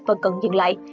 và cần dừng lại